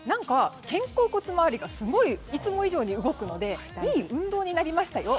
肩甲骨周りがいつも以上に動くのでいい運動になりましたよ。